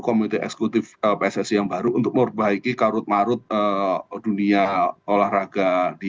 komite eksekutif pssi yang baru untuk memperbaiki karut marut dunia olahraga di